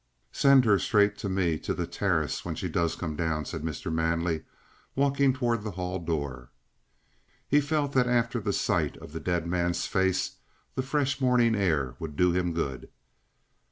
"Send her straight to me to the terrace when she does come down," said Mr. Manley, walking towards the hall door. He felt that after the sight of the dead man's face the fresh morning air would do him good.